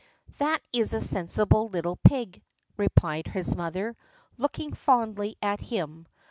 "That is a sensible little pig," replied his mother, looking fondly at him.